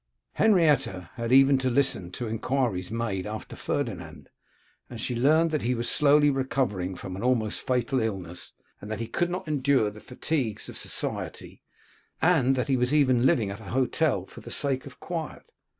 Henrietta had even to listen to enquiries made after Ferdinand, and she learnt that he was slowly recovering from an almost fatal illness, that he could not endure the fatigues of society, and that he was even living at an hotel for the sake of quiet.